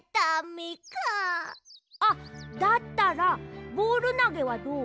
あっだったらボールなげはどう？